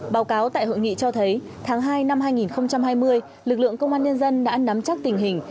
báo cáo tại hội nghị cho thấy tháng hai năm hai nghìn hai mươi lực lượng công an nhân dân đã nắm chắc tình hình